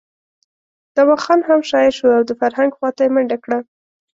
دوا خان هم شاعر شو او د فرهنګ خواته یې منډه کړه.